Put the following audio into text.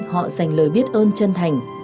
họ dành lời biết ơn chân thành